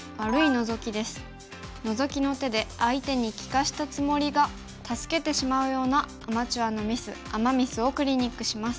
ノゾキの手で相手に利かしたつもりが助けてしまうようなアマチュアのミスアマ・ミスをクリニックします。